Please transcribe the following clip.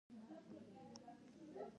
بزګر د شتمنیو بنسټ دی